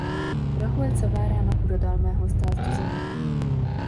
Raholca várának uradalmához tartozott.